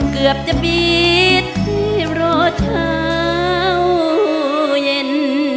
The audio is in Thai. เกือบจะปิดโรคเช้าเย็น